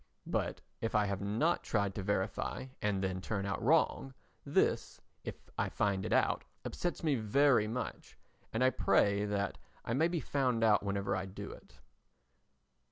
But if I have not tried to verify and then turn out wrong, this, if I find it out, upsets me very much and I pray that I may be found out whenever I do it.